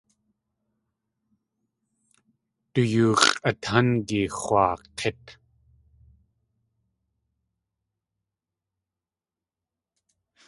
Du yoo x̲ʼatángi x̲waak̲ít.